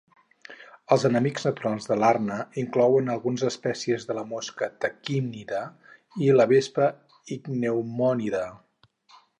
Els enemics naturals de l'arna inclouen algunes espècies de la mosca taquínida i la vespa icneumònida.